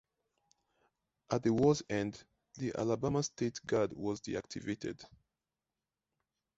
At the war's end, the Alabama State Guard was deactivated.